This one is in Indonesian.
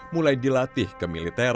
mulai dilatih ke militer